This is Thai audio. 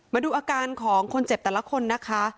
มาดูอาการของคนเจ็บแต่ละคนนะคะ